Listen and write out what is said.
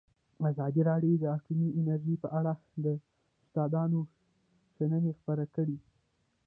ازادي راډیو د اټومي انرژي په اړه د استادانو شننې خپرې کړي.